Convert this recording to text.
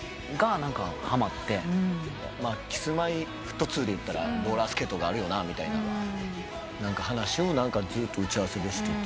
Ｋｉｓ−Ｍｙ−Ｆｔ２でいったらローラースケートがあるよなみたいな話をずっと打ち合わせでしてて。